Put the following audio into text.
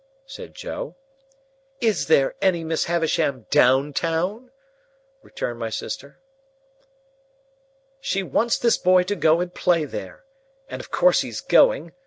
said Joe. "Is there any Miss Havisham down town?" returned my sister. "She wants this boy to go and play there. And of course he's going.